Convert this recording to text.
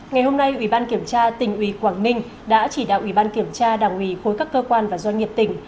ngày hôm nay ủy ban kiểm tra tỉnh ủy quảng ninh đã chỉ đạo ủy ban kiểm tra đảng ủy khối các cơ quan và doanh nghiệp tỉnh